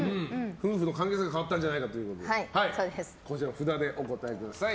夫婦の関係性が変わったんじゃないかということで札でお答えください。